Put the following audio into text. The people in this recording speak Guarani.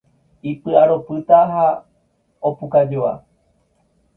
Ipy'aropúta ha opukajoa